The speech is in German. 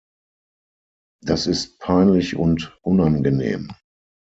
Das ist peinlich und unangenehm.